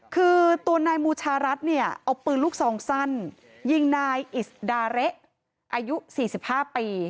คือตัวนายบูชารัฐเนี่ยเอาปืนลูกซองสั้นยิงนายอิสดาเละอายุ๔๕ปี